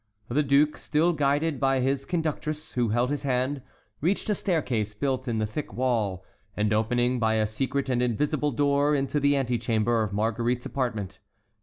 The duke, still guided by his conductress, who held his hand, reached a staircase built in the thick wall, and opening by a secret and invisible door into the antechamber of Marguerite's apartment.